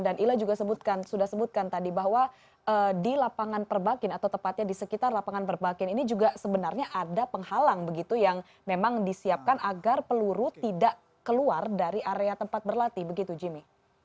dan ila juga sebutkan sudah sebutkan tadi bahwa di lapangan perbakin atau tepatnya di sekitar lapangan perbakin ini juga sebenarnya ada penghalang begitu yang memang disiapkan agar peluru tidak keluar dari area tempat berlatih begitu jimmy